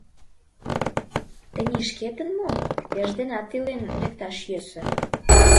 Тений шкетын мо, еш денат илен лекташ йӧсӧ.